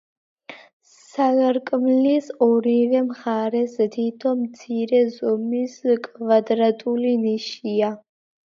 სარკმლის ორივე მხარეს თითო მცირე ზომის კვადრატული ნიშია.